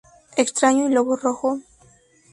Extraño y Lobo Rojo.